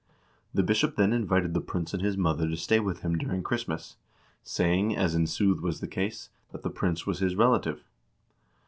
The bishop then invited the prince and his mother to stay with him during Christmas, saying, as in sooth was the case, that the prince was his relative.